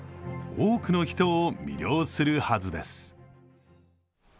多くの人を魅了するはずです。